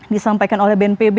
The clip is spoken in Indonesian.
disampaikan oleh bnpb